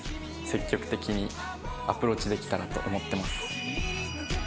積極的にアプローチできたらと思ってます。